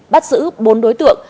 bắt giữ bốn đối tượng